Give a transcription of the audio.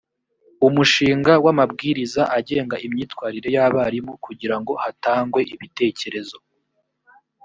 umushinga w’amabwiriza agenga imyitwarire y’abarimu kugira ngo hatangwe ibitekerezo